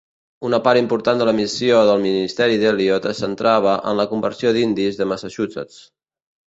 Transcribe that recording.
Una part important de la missió del ministeri d'Eliot es centrava en la conversió d'indis de Massachusetts.